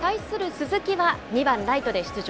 鈴木は、２番ライトで出場。